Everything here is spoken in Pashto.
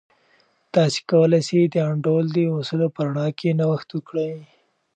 تاسې کولای سئ د انډول د اصولو په رڼا کې نوښت وکړئ.